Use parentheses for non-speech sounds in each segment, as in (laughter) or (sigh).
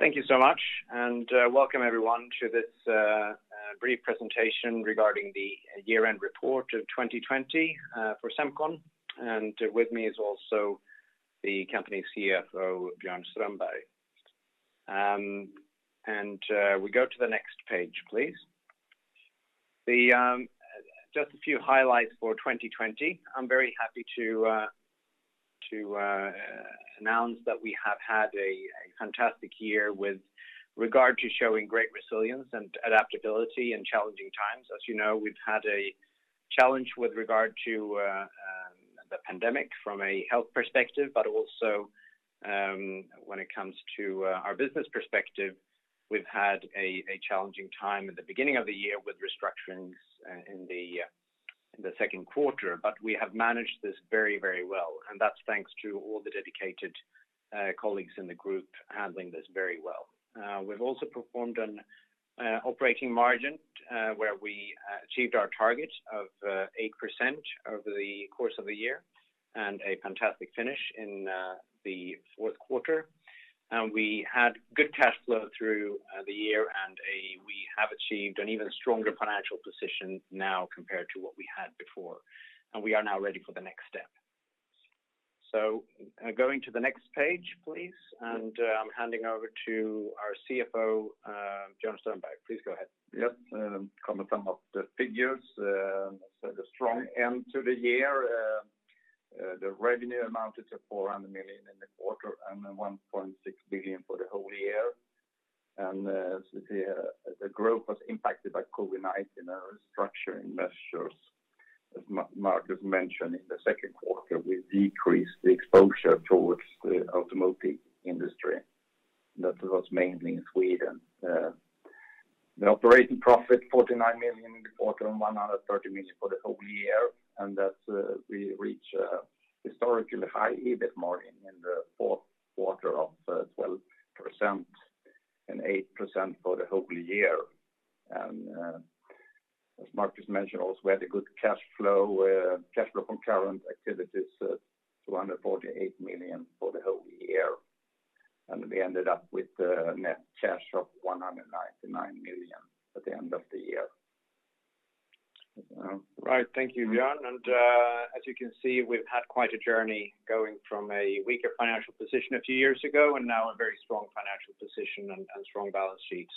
Thank you so much, welcome, everyone, to this brief presentation regarding the year-end report of 2020 for Semcon. With me is also the company CFO, Björn Strömberg. We go to the next page, please. Just a few highlights for 2020. I'm very happy to announce that we have had a fantastic year with regard to showing great resilience and adaptability in challenging times. As you know, we've had a challenge with regard to the pandemic from a health perspective, but also when it comes to our business perspective, we've had a challenging time at the beginning of the year with restructurings in the second quarter. We have managed this very well, and that's thanks to all the dedicated colleagues in the group handling this very well. We've also performed on operating margin, where we achieved our target of 8% over the course of the year, and a fantastic finish in the fourth quarter. We had good cash flow through the year, and we have achieved an even stronger financial position now compared to what we had before, and we are now ready for the next step. Going to the next page, please, and I'm handing over to our CFO, Björn Strömberg. Please go ahead. Yes. Comment on the figures, the strong end to the year. The revenue amounted to 400 million in the quarter, 1.6 billion for the whole year. The growth was impacted by COVID-19 and our restructuring measures. As Markus mentioned, in the second quarter, we decreased the exposure towards the automotive industry. That was mainly in Sweden. The operating profit, 49 million in the quarter, 130 million for the whole year, that we reach a historically high EBIT margin in the fourth quarter of 12% and 8% for the whole year. As Markus mentioned also, we had a good cashflow from current activities, 248 million for the whole year. We ended up with net cash of 199 million at the end of the year. Right. Thank you, Björn. As you can see, we've had quite a journey going from a weaker financial position a few years ago, and now a very strong financial position and strong balance sheet.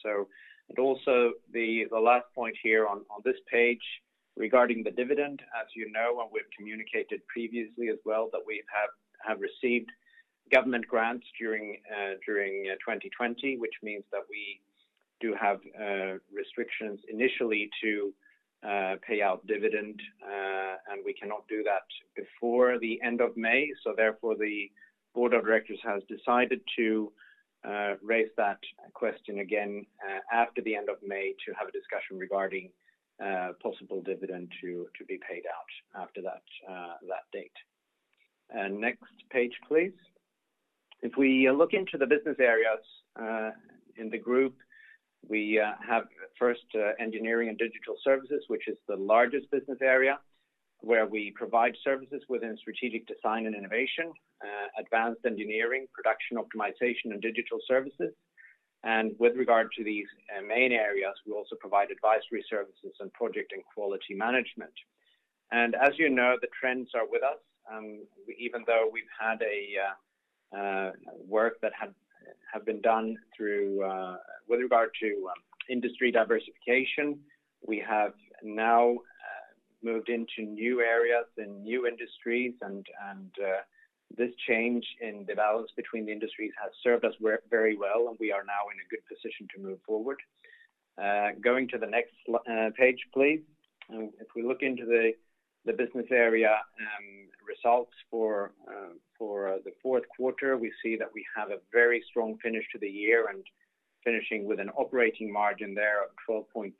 Also the last point here on this page regarding the dividend, as you know, and we've communicated previously as well, that we have received government grants during 2020, which means that we do have restrictions initially to pay out dividend, and we cannot do that before the end of May. Therefore, the Board of Directors has decided to raise that question again after the end of May to have a discussion regarding possible dividend to be paid out after that date. Next page, please. If we look into the business areas in the group, we have first Engineering & Digital Services, which is the largest business area, where we provide services within strategic design and innovation, advanced engineering, production optimization, and digital services. With regard to these main areas, we also provide advisory services and project and quality management. As you know, the trends are with us. Even though we've had a work that have been done with regard to industry diversification, we have now moved into new areas and new industries and this change in the balance between the industries has served us very well, and we are now in a good position to move forward. Going to the next page, please. If we look into the business area results for the fourth quarter, we see that we have a very strong finish to the year and finishing with an operating margin there of 12.2%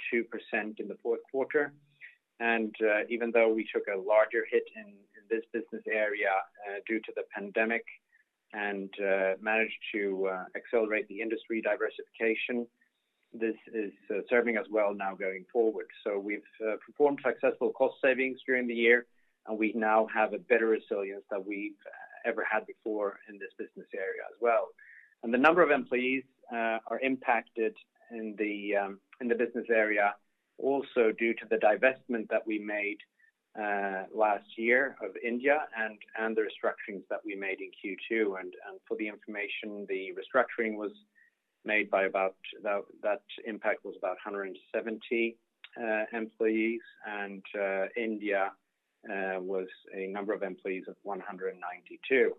in the fourth quarter. Even though we took a larger hit in this business area due to the pandemic and managed to accelerate the industry diversification, this is serving us well now going forward. We've performed successful cost savings during the year, and we now have a better resilience than we've ever had before in this business area as well. The number of employees are impacted in the business area also due to the divestment that we made last year of India and the restructurings that we made in Q2. For the information, That impact was about 170 employees, and India was a number of employees of 192.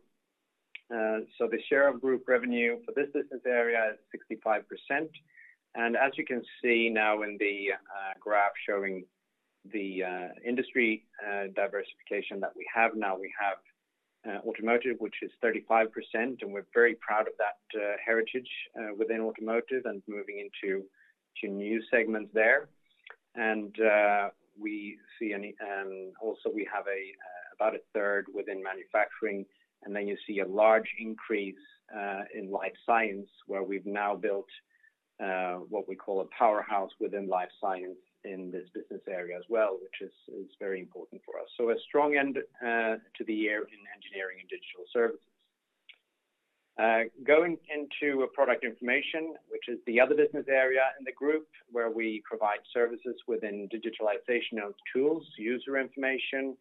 The share of group revenue for this business area is 65%. As you can see now in the graph showing the industry diversification that we have now, we have automotive, which is 35%, and we're very proud of that heritage within automotive and moving into new segments there. Also we have about a third within manufacturing, then you see a large increase in life science, where we've now built what we call a powerhouse within life science in this business area as well, which is very important for us. A strong end to the year in Engineering & Digital Services. Going into Product Information, which is the other business area in the group where we provide services within digitalization of tools, user information.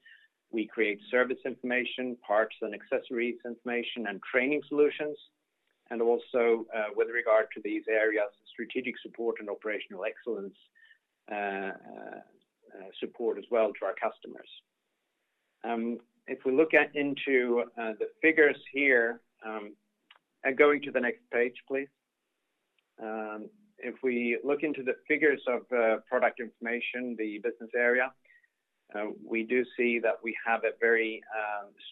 We create service information, parts and accessories information, and training solutions, and also, with regard to these areas, strategic support and operational excellence support as well to our customers. If we look into the figures here, and going to the next page, please. If we look into the figures of Product Information, the business area, we do see that we have a very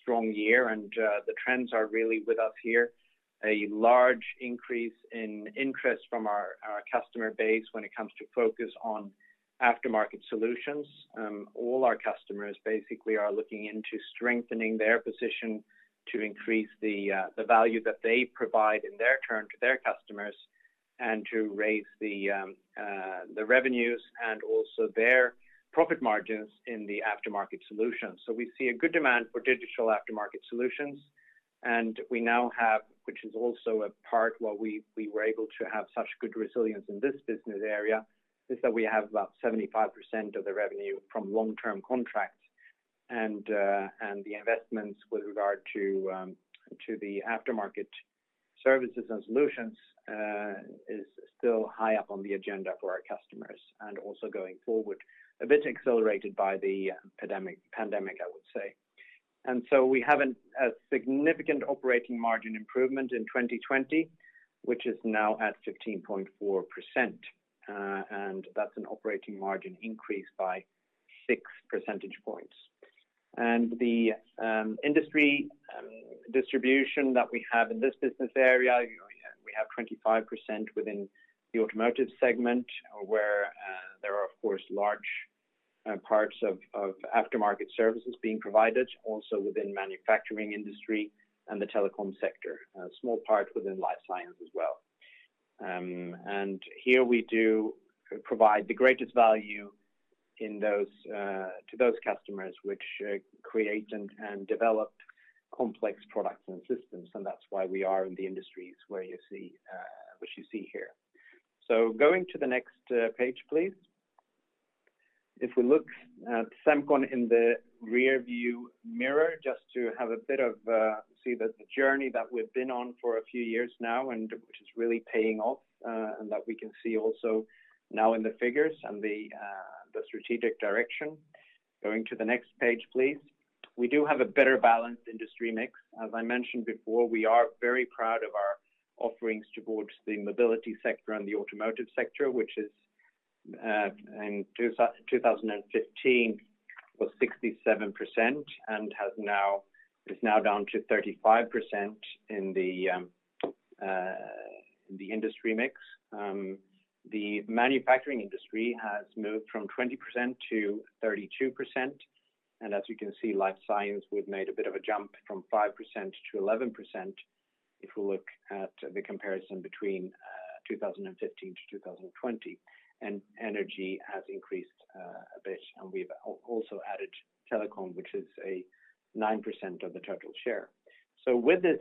strong year, and the trends are really with us here. A large increase in interest from our customer base when it comes to focus on aftermarket solutions. All our customers basically are looking into strengthening their position to increase the value that they provide in their turn to their customers, and to raise the revenues and also their profit margins in the aftermarket solutions. We see a good demand for digital aftermarket solutions, and we now have, which is also a part why we were able to have such good resilience in this business area, is that we have about 75% of the revenue from long-term contracts. The investments with regard to the aftermarket services and solutions is still high up on the agenda for our customers, also going forward a bit accelerated by the pandemic, I would say. We have a significant operating margin improvement in 2020, which is now at 15.4%, and that's an operating margin increase by six percentage points. The industry distribution that we have in this business area, we have 25% within the automotive segment, where there are, of course, large parts of aftermarket services being provided, also within manufacturing industry and the telecom sector. A small part within life science as well. Here we do provide the greatest value to those customers which create and develop complex products and systems, and that's why we are in the industries which you see here. Going to the next page, please. If we look at Semcon in the rearview mirror, just to have a bit of a see the journey that we've been on for a few years now, and which is really paying off, and that we can see also now in the figures and the strategic direction. Going to the next page, please. We do have a better-balanced industry mix. As I mentioned before, we are very proud of our offerings towards the mobility sector and the automotive sector, which is, in 2015, was 67% and is now down to 35% in the industry mix. The manufacturing industry has moved from 20% to 32%, and as you can see, life science, we've made a bit of a jump from 5% to 11%, if we look at the comparison between 2015 to 2020. Energy has increased a bit, and we've also added telecom, which is 9% of the total share. With this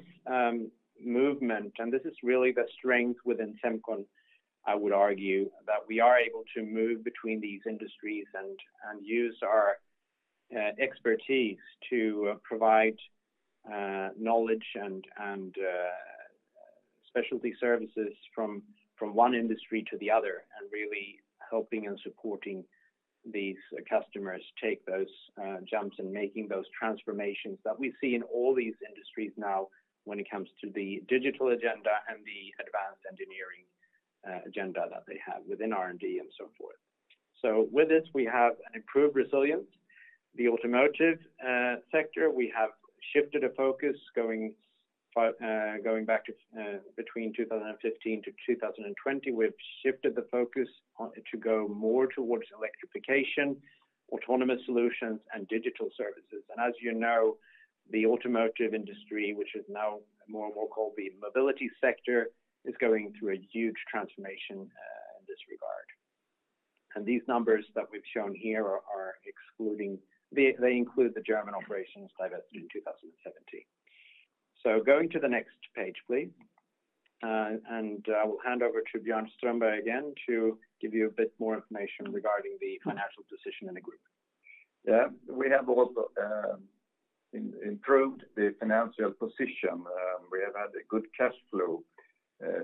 movement, and this is really the strength within Semcon, I would argue, that we are able to move between these industries and use our expertise to provide knowledge and specialty services from one industry to the other, and really helping and supporting these customers take those jumps and making those transformations that we see in all these industries now when it comes to the digital agenda and the advanced engineering agenda that they have within R&D and so forth. With this, we have an improved resilience. The automotive sector, we have shifted a focus, going back between 2015 to 2020, we've shifted the focus to go more towards electrification, autonomous solutions, and digital services. As you know, the automotive industry, which is now more and more called the mobility sector, is going through a huge transformation in this regard. These numbers that we've shown here include the German operations divested in 2017. Going to the next page, please. I will hand over to Björn Strömberg again to give you a bit more information regarding the financial position in the group. Yeah, we have also improved the financial position. We have had a good cash flow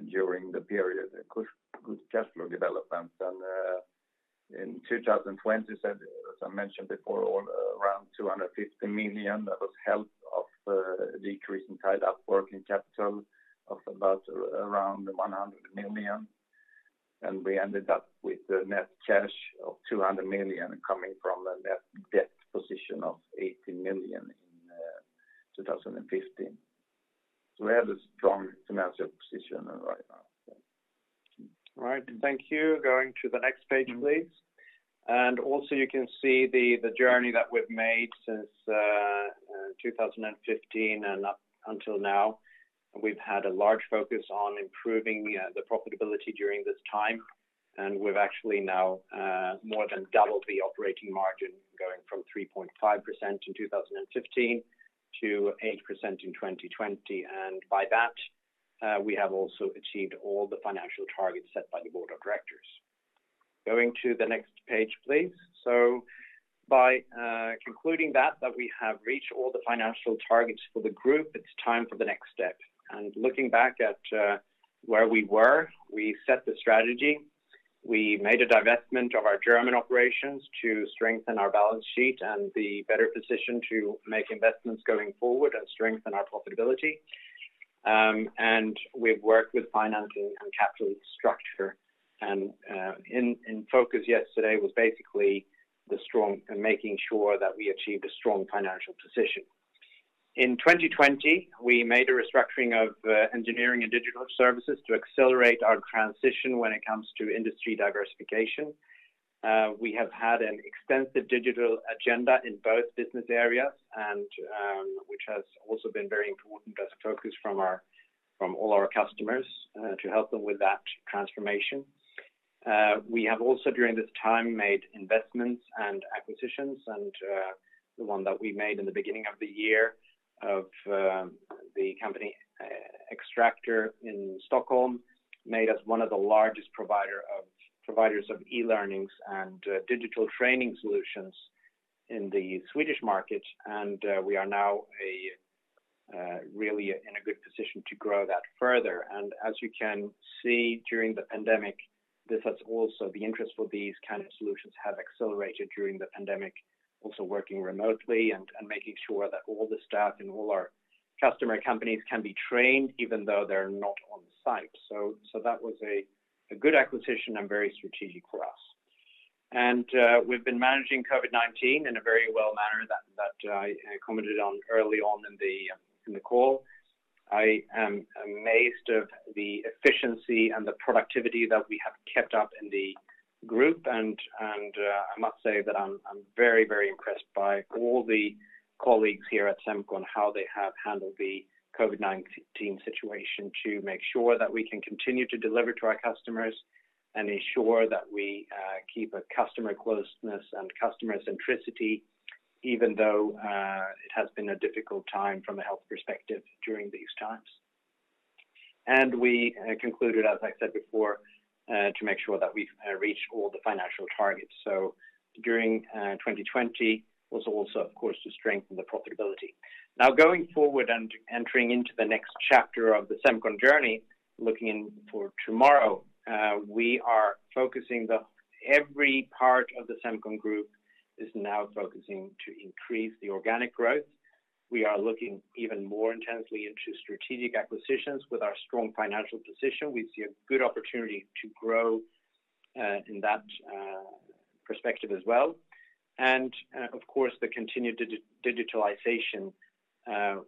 during the period, a good cash flow development. In 2020, as I mentioned before, 250 million, that was helped of a decrease in tied-up working capital of about around 100 million. We ended up with a net cash of 200 million coming from a net debt position of 80 million in 2015. We have a strong financial position right now. All right. Thank you. Going to the next page, please. Also you can see the journey that we've made since 2015 and up until now. We've had a large focus on improving the profitability during this time. We've actually now more than doubled the operating margin going from 3.5% in 2015 to 8% in 2020. By that, we have also achieved all the financial targets set by the Board of Directors. Going to the next page, please. By concluding that we have reached all the financial targets for the group, it's time for the next step. Looking back at where we were, we set the strategy. We made a divestment of our German operations to strengthen our balance sheet and be better positioned to make investments going forward and strengthen our profitability. We've worked with financing and capital structure, and in focus yesterday was basically the strong and making sure that we achieved a strong financial position. In 2020, we made a restructuring of Engineering & Digital Services to accelerate our transition when it comes to industry diversification. We have had an extensive digital agenda in both business areas, and which has also been very important as a focus from all our customers to help them with that transformation. We have also during this time made investments and acquisitions, and the one that we made in the beginning of the year of the company Xtractor in Stockholm, made us one of the largest providers of e-learnings and digital training solutions in the Swedish market, and we are now really in a good position to grow that further. As you can see during the pandemic, the interest for these kind of solutions have accelerated during the pandemic, also working remotely and making sure that all the staff in all our customer companies can be trained even though they're not on site. That was a good acquisition and very strategic for us. We've been managing COVID-19 in a very well manner that I commented on early on in the call. I am amazed of the efficiency and the productivity that we have kept up in the group. I must say that I'm very impressed by all the colleagues here at Semcon, how they have handled the COVID-19 situation to make sure that we can continue to deliver to our customers and ensure that we keep a customer closeness and customer centricity, even though it has been a difficult time from a health perspective during these times. We concluded, as I said before, to make sure that we've reached all the financial targets. During 2020 was also, of course, to strengthen the profitability. Going forward and entering into the next chapter of the Semcon journey, looking for tomorrow, every part of the Semcon group is now focusing to increase the organic growth. We are looking even more intensely into strategic acquisitions. With our strong financial position, we see a good opportunity to grow in that perspective as well. Of course, the continued digitalization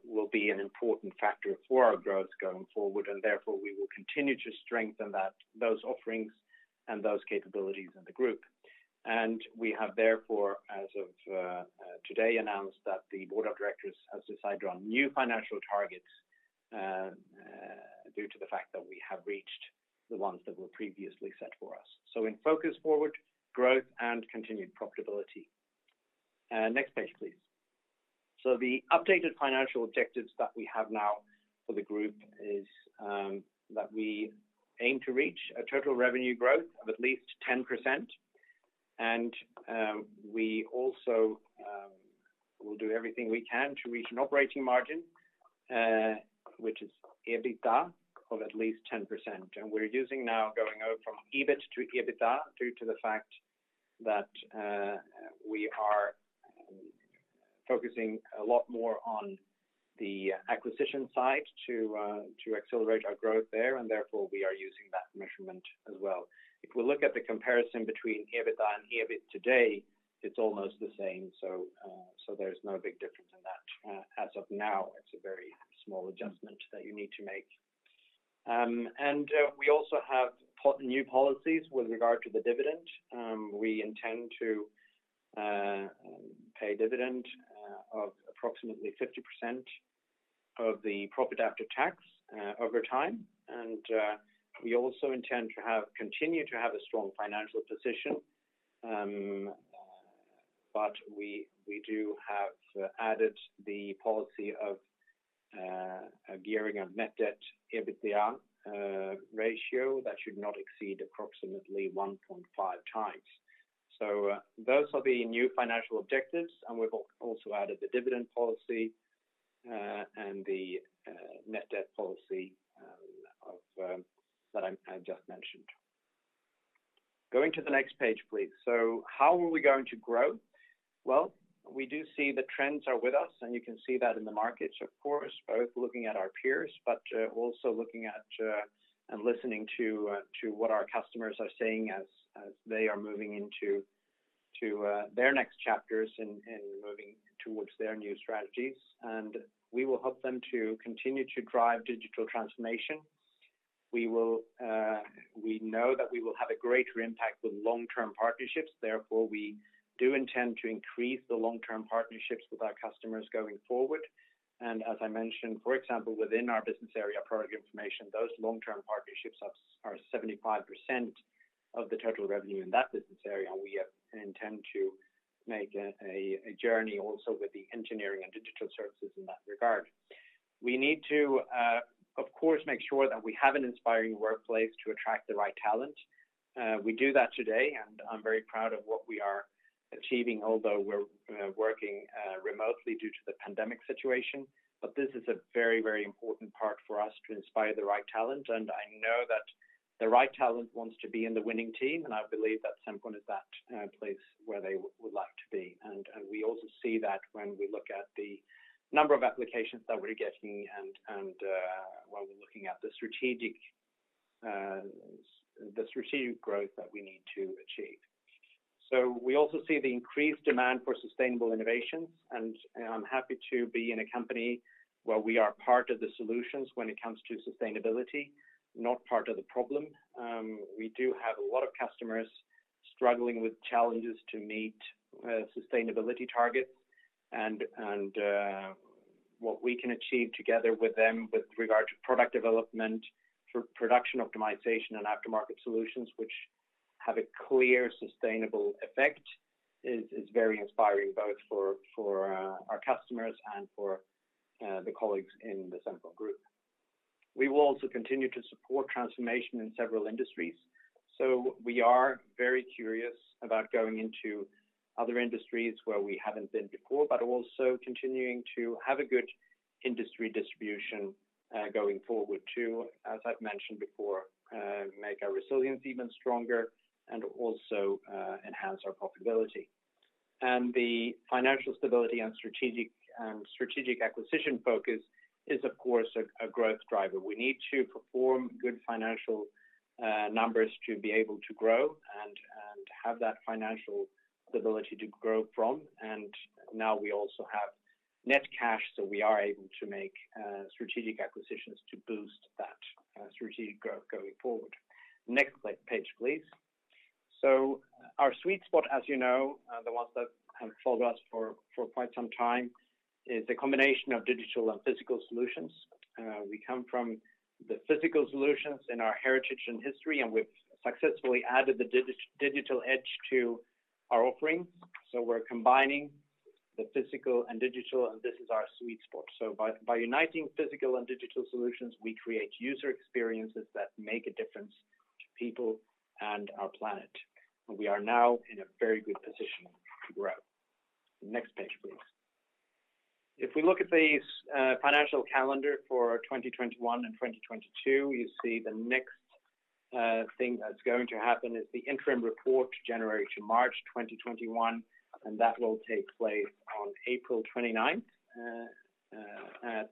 will be an important factor for our growth going forward, and therefore we will continue to strengthen those offerings and those capabilities in the group. We have therefore, as of today, announced that the board of directors has decided on new financial targets due to the fact that we have reached the ones that were previously set for us. In focus forward, growth and continued profitability. Next page, please. The updated financial objectives that we have now for the group is that we aim to reach a total revenue growth of at least 10%, and we also will do everything we can to reach an operating margin which is EBITDA of at least 10%. We're using now going out from EBIT to EBITDA due to the fact that we are focusing a lot more on the acquisition side to accelerate our growth there, and therefore we are using that measurement as well. If we look at the comparison between EBITDA and EBIT today, it's almost the same. There's no big difference in that as of now. It's a very small adjustment that you need to make. We also have new policies with regard to the dividend. We intend to pay dividend of approximately 50% of the profit after tax over time. We also intend to continue to have a strong financial position. We do have added the policy of gearing of net debt/EBITDA ratio that should not exceed approximately 1.5x. Those are the new financial objectives, and we've also added the dividend policy, and the net debt policy that I've just mentioned. Going to the next page, please. How are we going to grow? Well, we do see the trends are with us, and you can see that in the markets, of course, both looking at our peers, but also looking at and listening to what our customers are saying as they are moving into their next chapters and moving towards their new strategies. We will help them to continue to drive digital transformation. We know that we will have a greater impact with long-term partnerships, therefore, we do intend to increase the long-term partnerships with our customers going forward. As I mentioned, for example, within our business area, Product Information, those long-term partnerships are 75% of the total revenue in that business area, and we intend to make a journey also with the Engineering & Digital Services in that regard. We need to, of course, make sure that we have an inspiring workplace to attract the right talent. We do that today, and I'm very proud of what we are achieving, although we're working remotely due to the pandemic situation. This is a very important part for us to inspire the right talent. I know that the right talent wants to be in the winning team, and I believe that Semcon is that place where they would like to be. We also see that when we look at the number of applications that we're getting and while we're looking at the strategic growth that we need to achieve. We also see the increased demand for sustainable innovations. I'm happy to be in a company where we are part of the solutions when it comes to sustainability, not part of the problem. We do have a lot of customers struggling with challenges to meet sustainability targets. What we can achieve together with them with regard to product development, production optimization, and aftermarket solutions, which have a clear sustainable effect, is very inspiring both for our customers and for the colleagues in the Semcon Group. We will also continue to support transformation in several industries. We are very curious about going into other industries where we haven't been before, but also continuing to have a good industry distribution going forward too, as I've mentioned before, make our resilience even stronger and also enhance our profitability. The financial stability and strategic acquisition focus is, of course, a growth driver. We need to perform good financial numbers to be able to grow and to have that financial stability to grow from. Now we also have net cash, so we are able to make strategic acquisitions to boost that strategic growth going forward. Next page, please. Our sweet spot, as you know, the ones that have followed us for quite some time, is a combination of digital and physical solutions. We come from the physical solutions in our heritage and history, and we've successfully added the digital edge to our offering. We're combining the physical and digital, and this is our sweet spot. By uniting physical and digital solutions, we create user experiences that make a difference to people and our planet. We are now in a very good position to grow. Next page, please. If we look at the financial calendar for 2021 and 2022, you see the next thing that's going to happen is the interim report, January to March 2021, and that will take place on April 29th at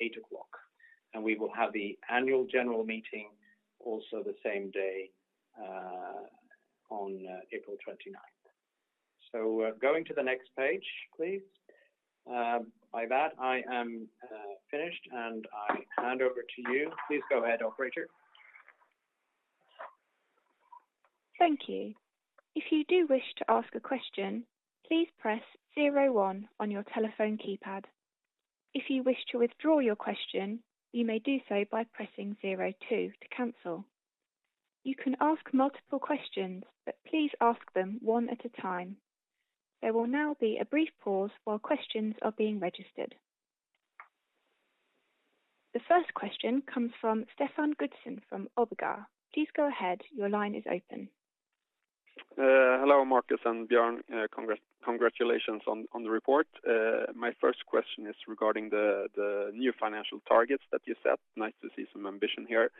8:00 A.M. We will have the annual general meeting also the same day on April 29th. Going to the next page, please. By that, I am finished, and I hand over to you. Please go ahead, operator. Thank you. If you do wish to ask a question, please press zero one on your telephone keypad. If you wish to withdraw your question, you may do so by pressing zero two to cancel. You can ask multiple questions, but please ask them one at a time. There will now be a brief pause while questions are being registered. The first question comes from Stefan Gudsen from (inaudible) Please go ahead. Your line is open. Hello, Markus and Björn. Congratulations on the report. My first question is regarding the new financial targets that you set. Nice to see some ambition here.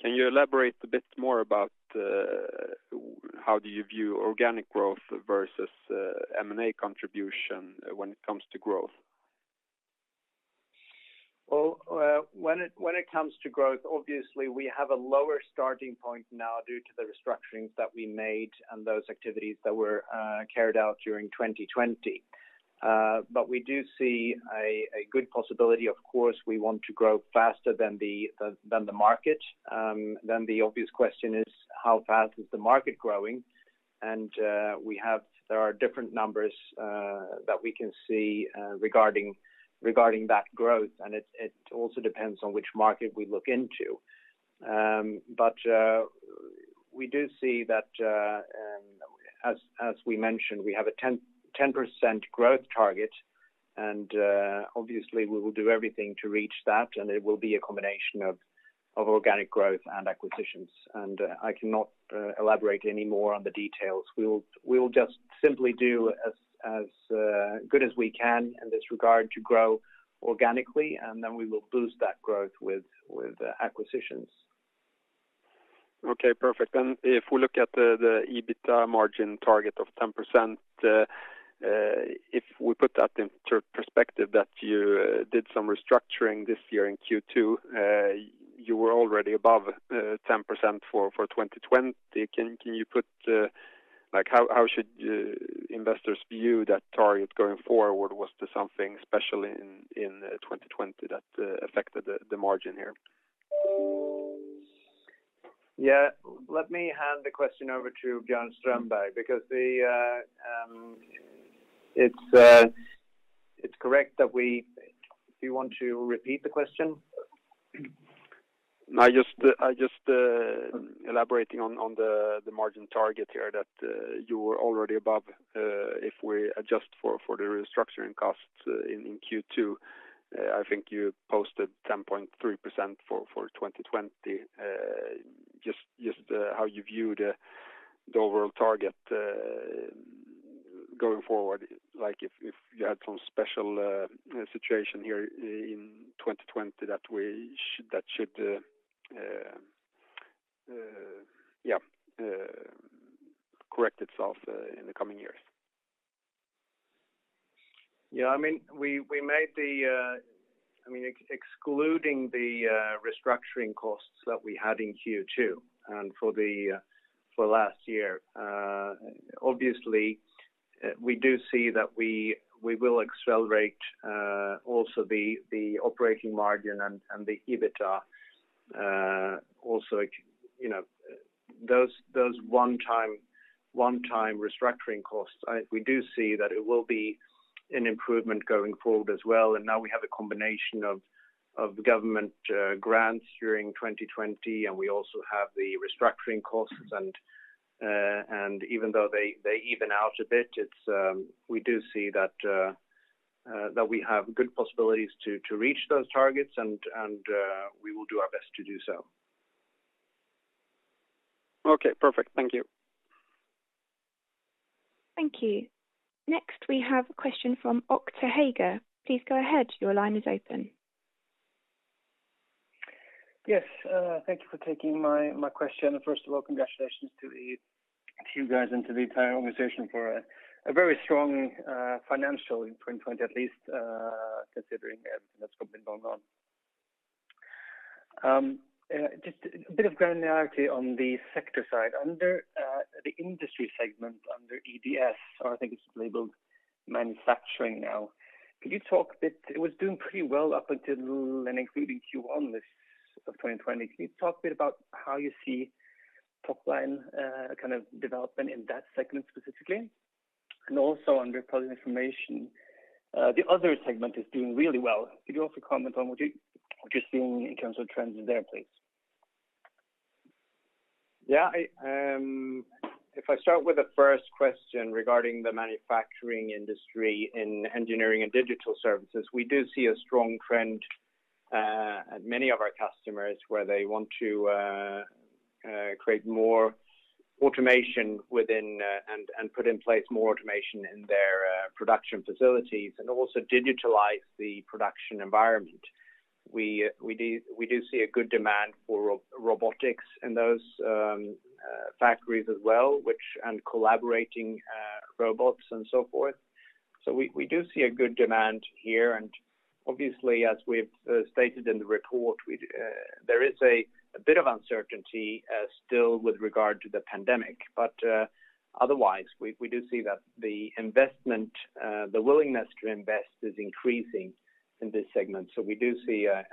Can you elaborate a bit more about how do you view organic growth versus M&A contribution when it comes to growth? When it comes to growth, obviously we have a lower starting point now due to the restructurings that we made and those activities that were carried out during 2020. We do see a good possibility. Of course, we want to grow faster than the market. The obvious question is how fast is the market growing? There are different numbers that we can see regarding that growth, and it also depends on which market we look into. We do see that, as we mentioned, we have a 10% growth target, and obviously we will do everything to reach that, and it will be a combination of organic growth and acquisitions. I cannot elaborate any more on the details. We will just simply do as good as we can in this regard to grow organically, and then we will boost that growth with acquisitions. Okay, perfect. If we look at the EBITDA margin target of 10%, if we put that into perspective that you did some restructuring this year in Q2, you were already above 10% for 2020. How should investors view that target going forward? Was there something special in 2020 that affected the margin here? Yeah. Let me hand the question over to Björn Strömberg because it's correct. Do you want to repeat the question? I'm just elaborating on the margin target here that you were already above if we adjust for the restructuring costs in Q2. I think you posted 10.3% for 2020. Just how you view the overall target going forward, if you had some special situation here in 2020 that should correct itself in the coming years? Yeah. Excluding the restructuring costs that we had in Q2 and for last year, obviously we do see that we will accelerate also the operating margin and the EBITDA. Those one-time restructuring costs, we do see that it will be an improvement going forward as well. Now we have a combination of the government grants during 2020, and we also have the restructuring costs. Even though they even out a bit, we do see that we have good possibilities to reach those targets, and we will do our best to do so. Okay, perfect. Thank you. Thank you. Next we have a question from Oktay Hager. Please go ahead. Your line is open. Yes, thank you for taking my question. First of all, congratulations to you guys and to the entire organization for a very strong financial in 2020 at least, considering everything that's probably been going on. Just a bit of granularity on the sector side. Under the industry segment under EDS, or I think it's labeled manufacturing now, it was doing pretty well up until and including Q1 of 2020. Can you talk a bit about how you see top line development in that segment specifically? Also under Product Information, the other segment is doing really well. Could you also comment on what you're seeing in terms of trends there, please? If I start with the first question regarding the manufacturing industry in Engineering & Digital Services, we do see a strong trend at many of our customers where they want to create more automation within, and put in place more automation in their production facilities, and also digitalize the production environment. We do see a good demand for robotics in those factories as well, collaborating robots and so forth. We do see a good demand here, and obviously, as we've stated in the report, there is a bit of uncertainty still with regard to the pandemic. Otherwise, we do see that the willingness to invest is increasing in this segment. We do see a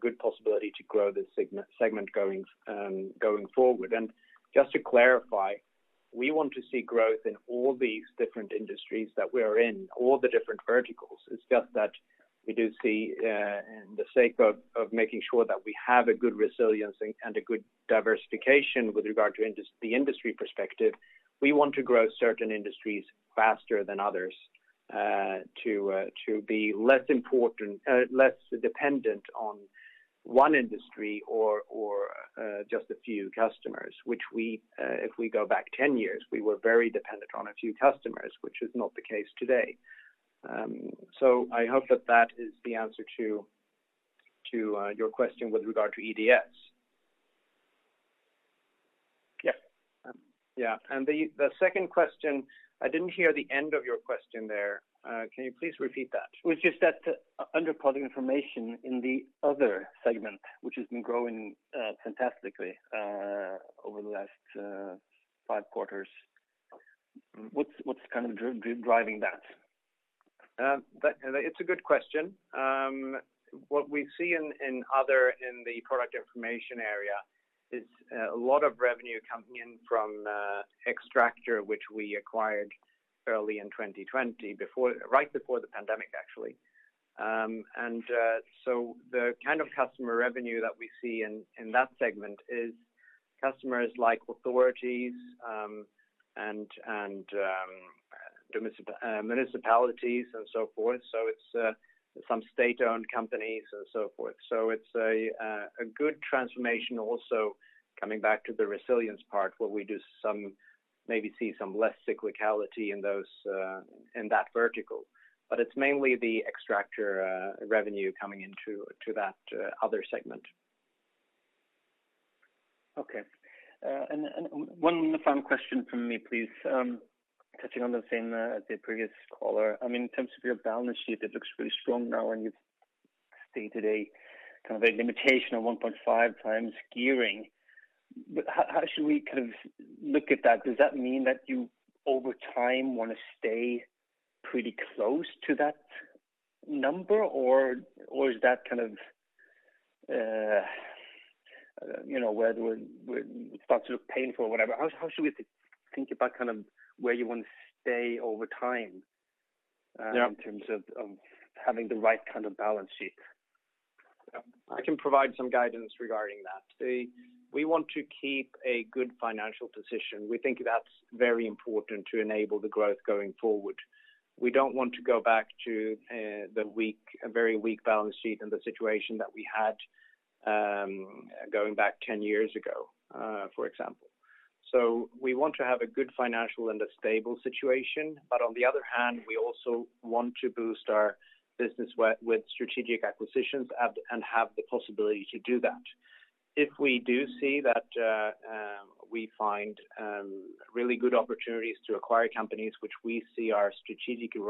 good possibility to grow this segment going forward. Just to clarify, we want to see growth in all these different industries that we are in, all the different verticals. It's just that we do see, in the sake of making sure that we have a good resilience and a good diversification with regard to the industry perspective, we want to grow certain industries faster than others to be less dependent on one industry or just a few customers. Which if we go back 10 years, we were very dependent on a few customers, which is not the case today. I hope that that is the answer to your question with regard to EDS. Yeah. Yeah. The second question, I didn't hear the end of your question there. Can you please repeat that? It was just that under Product Information in the other segment, which has been growing fantastically over the last five quarters, what's kind of driving that? It's a good question. What we see in the Product Information area is a lot of revenue coming in from Xtractor, which we acquired early in 2020, right before the pandemic, actually. The kind of customer revenue that we see in that segment is customers like authorities and municipalities and so forth. It's some state-owned companies and so forth. It's a good transformation also coming back to the resilience part, where we do maybe see some less cyclicality in that vertical. It's mainly the Xtractor revenue coming into that other segment. One final question from me, please. Touching on the same as the previous caller. In terms of your balance sheet, it looks really strong now. Day-to-day limitation of 1.5x gearing. How should we look at that? Does that mean that you, over time, want to stay pretty close to that number? Is that where it starts to look painful or whatever? How should we think about where you want to stay over time? Yeah. In terms of having the right kind of balance sheet? I can provide some guidance regarding that. We want to keep a good financial position. We think that's very important to enable the growth going forward. We don't want to go back to the very weak balance sheet and the situation that we had going back 10 years ago, for example. We want to have a good financial and a stable situation. On the other hand, we also want to boost our business with strategic acquisitions and have the possibility to do that. If we do see that we find really good opportunities to acquire companies which we see are strategically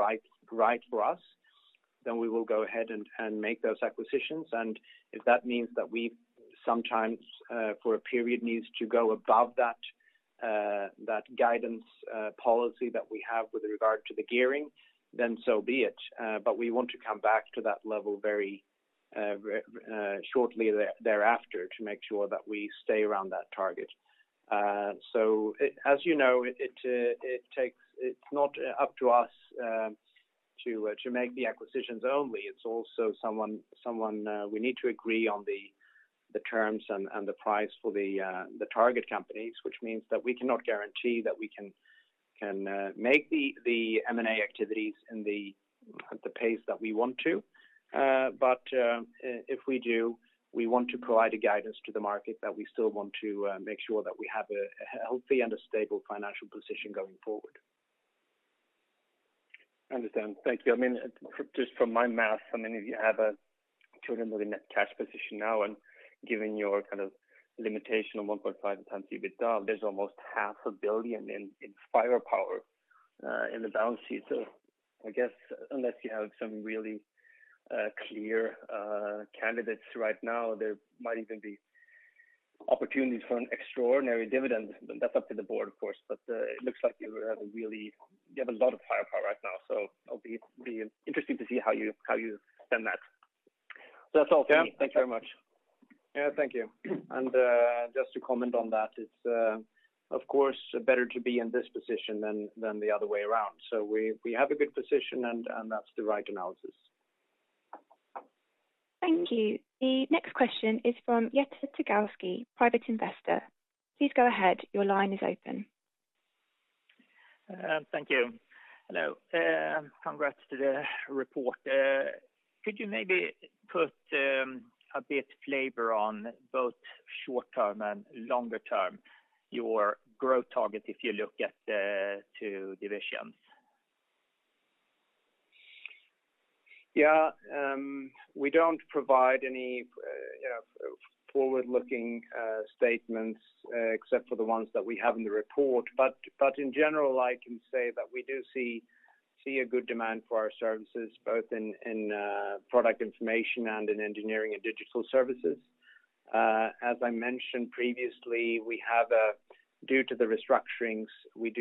right for us, then we will go ahead and make those acquisitions. If that means that we sometimes, for a period, need to go above that guidance policy that we have with regard to the gearing, then so be it. We want to come back to that level very shortly thereafter to make sure that we stay around that target. As you know, it's not up to us to make the acquisitions only. It's also someone we need to agree on the terms and the price for the target companies, which means that we cannot guarantee that we can make the M&A activities at the pace that we want to. If we do, we want to provide a guidance to the market that we still want to make sure that we have a healthy and a stable financial position going forward. Understand. Thank you. Just from my math, if you have a SEK 200 million net cash position now and given your limitation of 1.5x EBITDA, there's almost half a billion in firepower in the balance sheet. I guess unless you have some really clear candidates right now, there might even be opportunities for an extraordinary dividend. That's up to the board, of course, but it looks like you have a lot of firepower right now, so it'll be interesting to see how you spend that. That's all for me. Yeah. Thank you very much. Yeah, thank you. Just to comment on that, it's of course better to be in this position than the other way around. We have a good position, and that's the right analysis. Thank you. The next question is from Jette Zegowski, private investor. Please go ahead. Your line is open. Thank you. Hello. Congrats to the report. Could you maybe put a bit flavor on both short term and longer term, your growth target if you look at the two divisions? Yeah. We don't provide any forward-looking statements except for the ones that we have in the report. In general, I can say that we do see a good demand for our services, both in Product Information and in Engineering & Digital Services. As I mentioned previously, due to the restructurings, we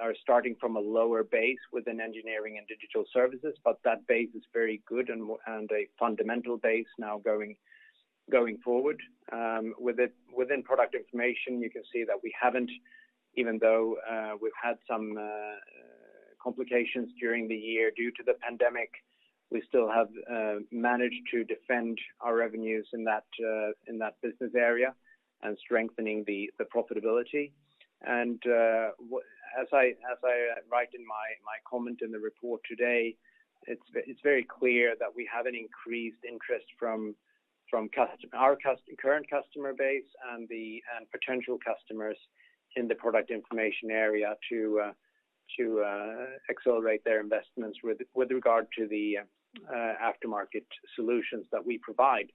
are starting from a lower base within Engineering & Digital Services, but that base is very good and a fundamental base now going forward. Within Product Information, you can see that we haven't, even though we've had some complications during the year due to the pandemic, we still have managed to defend our revenues in that business area and strengthening the profitability. As I write in my comment in the report today, it's very clear that we have an increased interest from our current customer base and potential customers in the Product Information area to accelerate their investments with regard to the aftermarket solutions that we provide.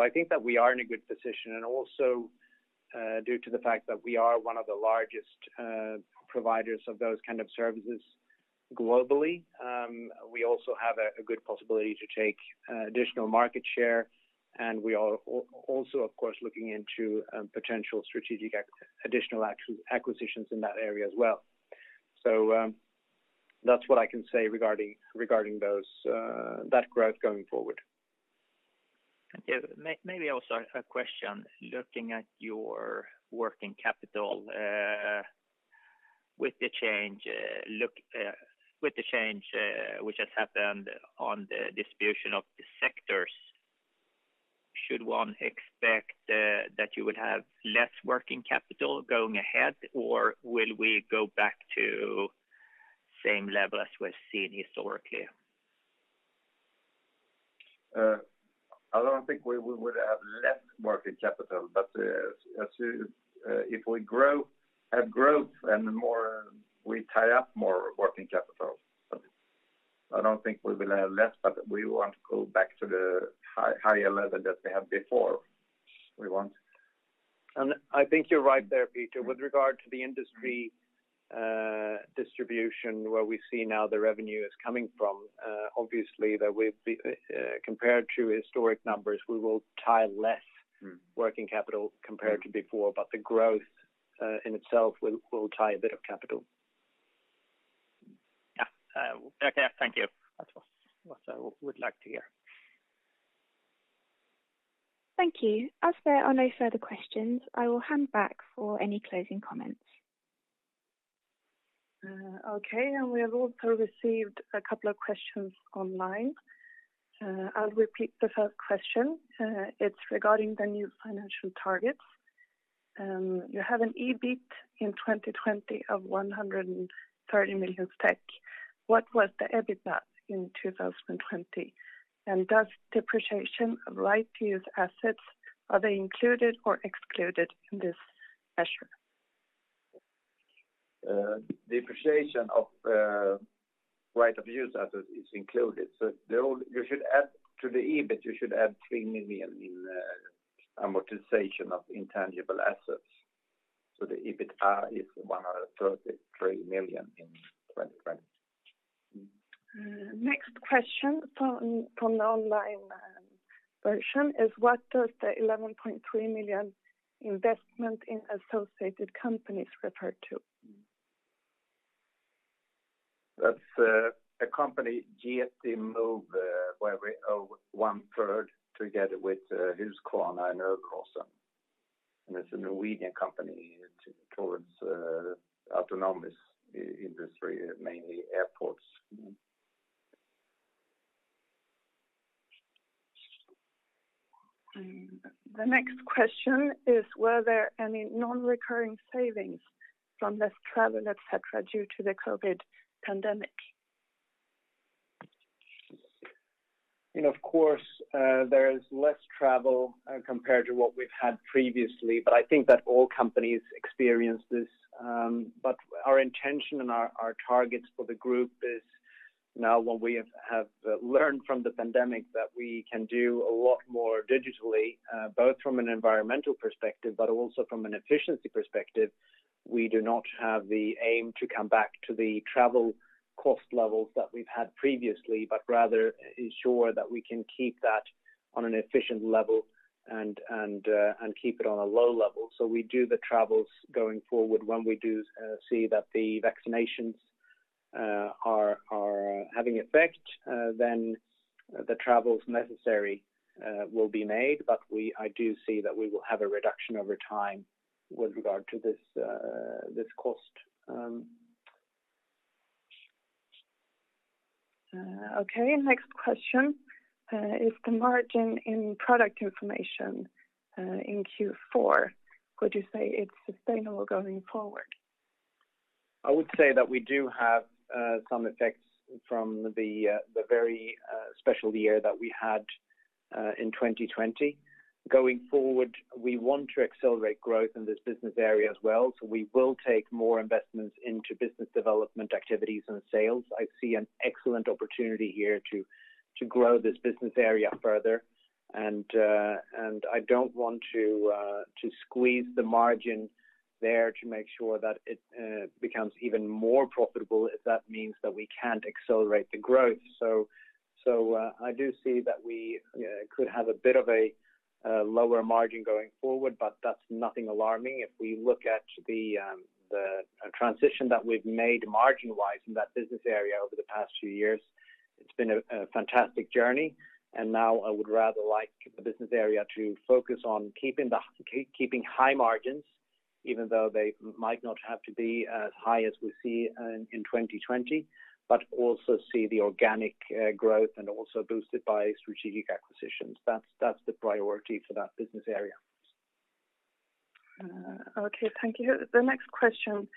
I think that we are in a good position. Also due to the fact that we are one of the largest providers of those kind of services globally, we also have a good possibility to take additional market share, and we are also, of course, looking into potential strategic additional acquisitions in that area as well. That's what I can say regarding that growth going forward. Thank you. Maybe also a question, looking at your working capital with the change which has happened on the distribution of the sectors, should one expect that you would have less working capital going ahead, or will we go back to same level as we've seen historically? I don't think we would have less working capital, but if we have growth and the more we tie up more working capital. I don't think we will have less, but we want to go back to the higher level that we had before. I think you're right there, Peter. With regard to the industry distribution where we see now the revenue is coming from, obviously compared to historic numbers, we will tie less working capital compared to before, but the growth in itself will tie a bit of capital. Yeah. Okay, thank you. That was what I would like to hear. Thank you. As there are no further questions, I will hand back for any closing comments. Okay, we have also received a couple of questions online. I'll repeat the first question. It's regarding the new financial targets. You have an EBIT in 2020 of 130 million. What was the EBITDA in 2020? Does depreciation of right-of-use assets, are they included or excluded in this measure? Depreciation of right-of-use assets is included. To the EBIT, you should add 3 million in amortization of intangible assets. The EBITDA is 133 million in 2020. Next question from the online version is what does the 11.3 million investment in associated companies refer to? That's a company, GST-move, where we own one third together with Husqvarna and Ericsson, and it's a Norwegian company towards autonomous industry, mainly airports. The next question is were there any non-recurring savings from less travel, et cetera, due to the COVID pandemic? Of course, there is less travel compared to what we've had previously, but I think that all companies experience this. Our intention and our targets for the group is now what we have learned from the pandemic, that we can do a lot more digitally, both from an environmental perspective, but also from an efficiency perspective. We do not have the aim to come back to the travel cost levels that we've had previously, but rather ensure that we can keep that on an efficient level and keep it on a low level. We do the travels going forward. When we do see that the vaccinations are having effect, then the travels necessary will be made. I do see that we will have a reduction over time with regard to this cost. Okay. Next question. Is the margin in Product Information in Q4, would you say it's sustainable going forward? I would say that we do have some effects from the very special year that we had in 2020. Going forward, we want to accelerate growth in this business area as well, so we will take more investments into business development activities and sales. I see an excellent opportunity here to grow this business area further. I don't want to squeeze the margin there to make sure that it becomes even more profitable if that means that we can't accelerate the growth. I do see that we could have a bit of a lower margin going forward, but that's nothing alarming. If we look at the transition that we've made margin-wise in that business area over the past few years, it's been a fantastic journey. Now I would rather like the business area to focus on keeping high margins, even though they might not have to be as high as we see in 2020, but also see the organic growth and also boosted by strategic acquisitions. That is the priority for that business area. Okay, thank you. The next question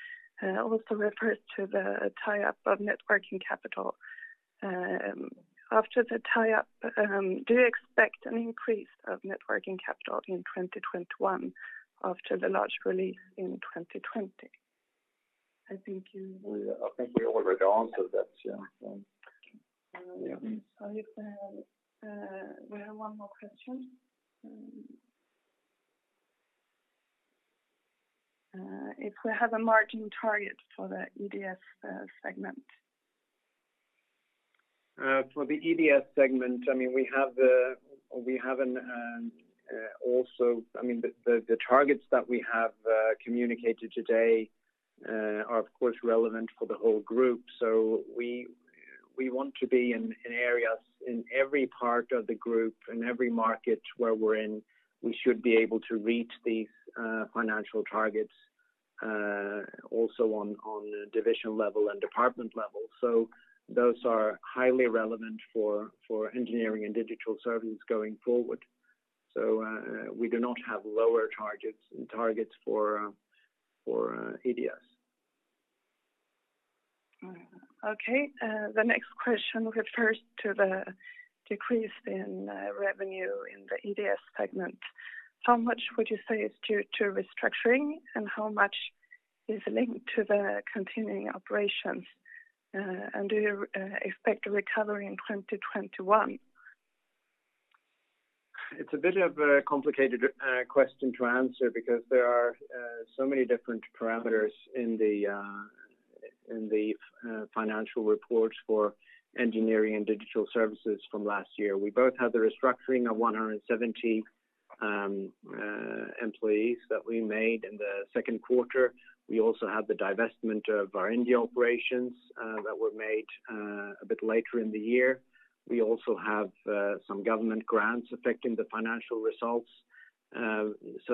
also refers to the tie-up of net working capital. After the tie-up, do you expect an increase of net working capital in 2021 after the large release in 2020? I think we already answered that. Okay. We have one more question. If we have a margin target for the EDS segment? For the EDS segment, the targets that we have communicated today are of course relevant for the whole group. We want to be in areas in every part of the group, in every market where we're in, we should be able to reach these financial targets also on divisional level and department level. Those are highly relevant for Engineering & Digital Service going forward. We do not have lower targets for EDS. Okay. The next question refers to the decrease in revenue in the EDS segment. How much would you say is due to restructuring, and how much is linked to the continuing operations? Do you expect a recovery in 2021? It's a bit of a complicated question to answer because there are so many different parameters in the financial reports for Engineering & Digital Services from last year. We both have the restructuring of 170 employees that we made in the second quarter. We also have the divestment of our India operations that were made a bit later in the year. We also have some government grants affecting the financial results.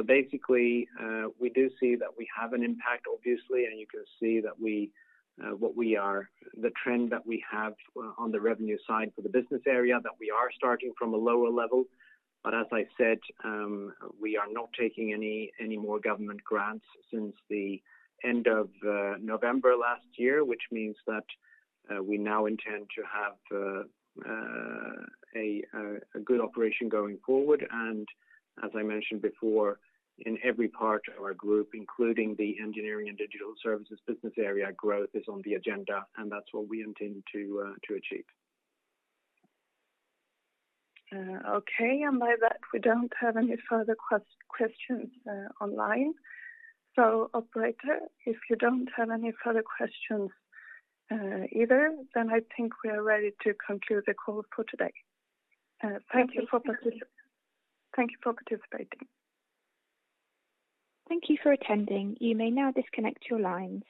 Basically, we do see that we have an impact, obviously, and you can see the trend that we have on the revenue side for the business area, that we are starting from a lower level. As I said, we are not taking any more government grants since the end of November last year, which means that we now intend to have a good operation going forward. As I mentioned before, in every part of our group, including the Engineering & Digital Services business area, growth is on the agenda, and that's what we intend to achieve. Okay, by that, we don't have any further questions online. Operator, if you don't have any further questions either, I think we are ready to conclude the call for today. Thank you for participating. Thank you for attending. You may now disconnect your lines.